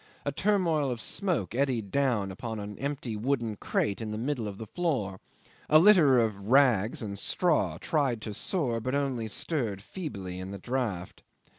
A turmoil of smoke eddied down upon an empty wooden crate in the middle of the floor, a litter of rags and straw tried to soar, but only stirred feebly in the draught.